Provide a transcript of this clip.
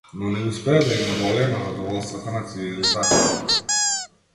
Но не успеа да им одолее на задоволствата на цивилизацијата.